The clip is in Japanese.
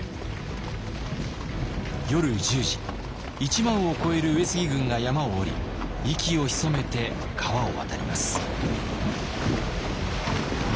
夜１０時１万を超える上杉軍が山を下り息をひそめて川を渡ります。